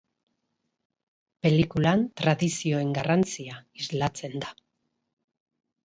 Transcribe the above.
Pelikulan tradizioen garrantzia islatzen da.